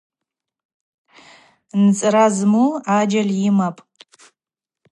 Нцӏра зму аджьаль йымапӏ.